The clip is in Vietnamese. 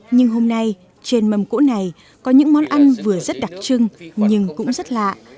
nhưng hôm nay trên mâm cỗ này có những món ăn vừa rất đặc trưng nhưng cũng rất lạ